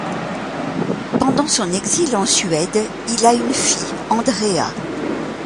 Pendant son exil en Suède, il a une fille, Andréa.